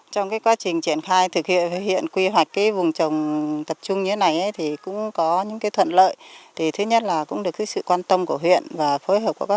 trong cái quá trình triển khai thực hiện quy hoạch cái vùng trồng tập trung như thế này thì cũng có những cái thuận lợi thì thứ nhất là cũng được cái sự quan tâm của huyện và phối hợp của các huyện